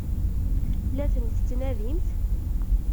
La ten-tettnadimt?